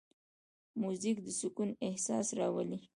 موزیک د سکون احساس راولي.